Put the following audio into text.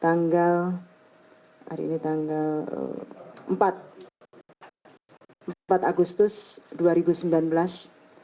tanggal empat agustus dua ribu sembilan belas